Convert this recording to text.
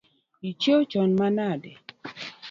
Ichieo chon manade?